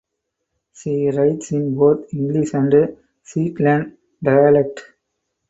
She writes in both English and Shetland dialect.